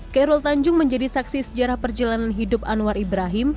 khairul tanjung menjadi saksi sejarah perjalanan hidup anwar ibrahim